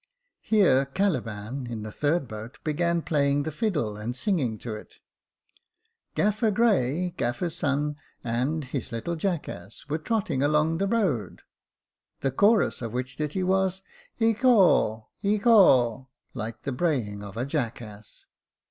Here Caliban, in the third boat, began playing the fiddle and singing to it —" Gaffer Gray, Gaffer's son, and his little jackass, Were trotting along the road ;" the chorus of which ditty was " Ec aw, Ec aw !" like the braying of a jackass.